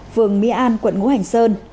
vườn my an quận ngũ hành sơn